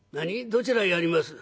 「どちらへやります？」。